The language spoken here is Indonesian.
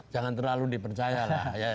jangan terlalu dipercayalah